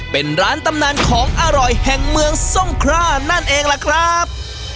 เป็นร้านตำนานของอร่อยแห่งเมืองทรงครานั่นเองล่ะครับ